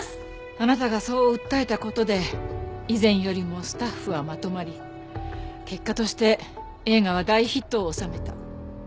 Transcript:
あなたがそう訴えた事で以前よりもスタッフはまとまり結果として映画は大ヒットを収めた。